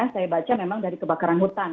saya baca memang dari kebakaran hutan